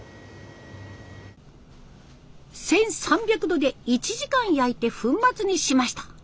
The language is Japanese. １，３００度で１時間焼いて粉末にしました。